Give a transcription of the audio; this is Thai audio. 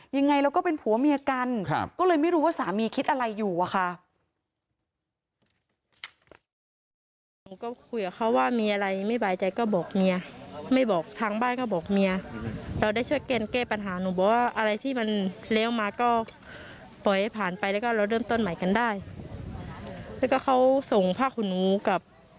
ยังไงเราก็เป็นผัวเมียกันก็เลยไม่รู้ว่าสามีคิดอะไรอยู่อะค่ะ